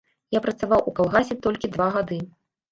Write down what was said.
Я працаваў у калгасе толькі два гады.